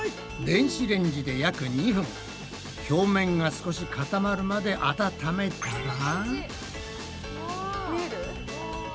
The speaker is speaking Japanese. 電子レンジで約２分表面が少し固まるまで温めたら。